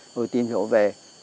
rồi tìm hiểu về